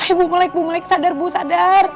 aduh bu melek bu melek sadar bu sadar